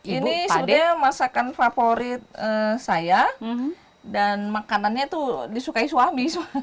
ini sebenarnya masakan favorit saya dan makanannya itu disukai suami